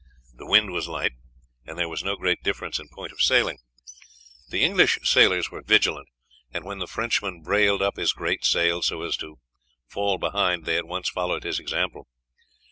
The wind was light, and there was no great difference in point of sailing. The English sailors were vigilant, and when the Frenchman brailed up his great sail, so as to fall behind, they at once followed his example.